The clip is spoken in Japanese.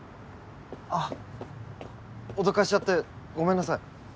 あっ脅かしちゃってごめんなさい。